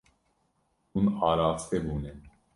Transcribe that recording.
Hûn araste bûne.